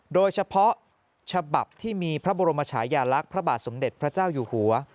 โดยเฉพาะฉบับที่มีพระบรมชายาลักษณ์พระบาทสมเด็จพระเจ้าอยู่หัว